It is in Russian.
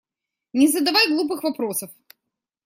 Не задавай глупых вопросов!